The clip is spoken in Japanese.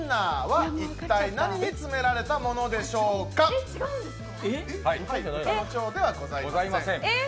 え、違うんですか？